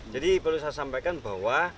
jadi perlu saya sampaikan bahwa